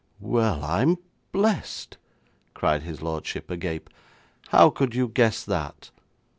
'Well, I'm blessed!' cried his lordship, agape. 'How could you guess that?'